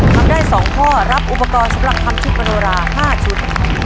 ทำได้๒ข้อรับอุปกรณ์สำหรับทำชุดมโนรา๕ชุด